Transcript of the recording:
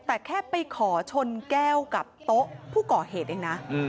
แต่แค่ไปขอชนแก้วกับโต๊ะผู้ก่อเหตุเองนะ